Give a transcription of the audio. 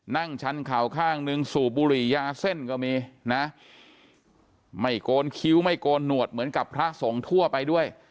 นั่งชั้นเข่าข้างนึงสูบบุหรี่ยาเส้นก็มีนะไม่โกนคิ้วไม่โกนหนวดเหมือนกับพระสงฆ์ทั่วไปด้วย